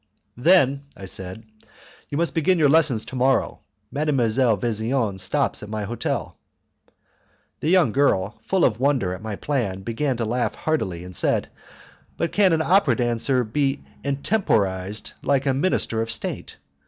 "Then," I said, "you must begin your lessons tomorrow. Mdlle. Vesian stops at my hotel." The young girl, full of wonder at my plan, began to laugh heartily, and said, "But can an opera dancer be extemporized like a minister of state?